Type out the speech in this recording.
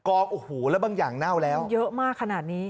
โอ้โหแล้วบางอย่างเน่าแล้วเยอะมากขนาดนี้